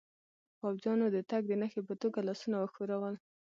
پوځیانو د تګ د نښې په توګه لاسونه و ښورول.